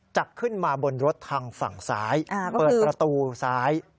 จะขึ้นมาบนรถทางฝั่งซ้ายเปิดประตูซ้าย